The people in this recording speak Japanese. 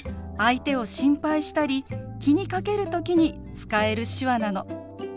相手を心配したり気にかける時に使える手話なの。